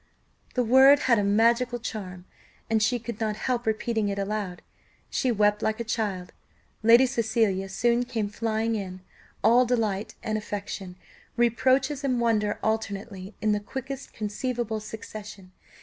The word had a magical charm, and she could not help repeating it aloud she wept like a child. Lady Cecilia soon came flying in, all delight and affection, reproaches and wonder alternately, in the quickest conceivable succession.